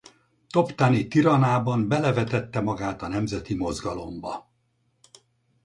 Toptani Tiranában belevetette magát a nemzeti mozgalomba.